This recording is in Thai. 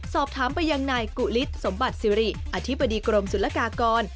สอบถามไปยังนายกุฤษสมบัติสิริอธิบดีกรมศุลกากร